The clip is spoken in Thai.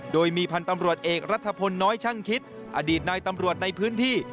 โดยมีพันธ์ตำรวจเอกรัฐพลน้อยช่างคิดอดีตนายตำรวจในพื้นที่